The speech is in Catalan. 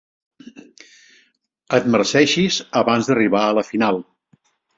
Et marceixis abans d'arribar a la final.